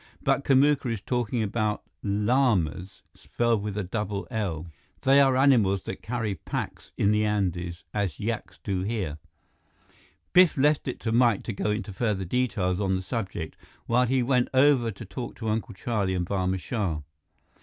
But Kamuka is talking about llamas, spelled with a double 'l.' They are animals that carry packs in the Andes, as yaks do here." Biff left it to Mike to go into further details on the subject while he went over to talk to Uncle Charlie and Barma Shah.